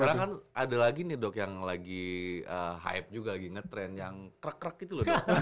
sekarang kan ada lagi nih dok yang lagi hype juga lagi ngetrend yang krek krek gitu loh